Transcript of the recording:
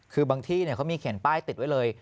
คือบางที่เขามีเขียนป้ายติดไว้เลย